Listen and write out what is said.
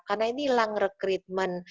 karena ini lang rekritmen